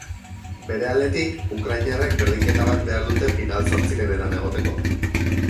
Bere aldetik, ukrainarrek berdinketa bat behar dute final-zortzirenetan egoteko.